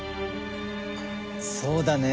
そうだね。